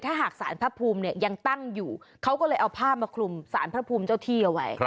ถ้าหากสารพระภูมิเนี่ยยังตั้งอยู่เขาก็เลยเอาผ้ามาคลุมสารพระภูมิเจ้าที่เอาไว้